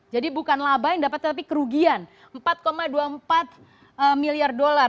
jadi bukan laba yang dapat tetapi kerugian empat dua puluh empat miliar dolar